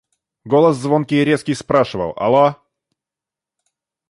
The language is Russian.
Голос звонкий и резкий спрашивал: – Алло!